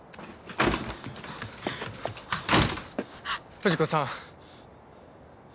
藤子さん。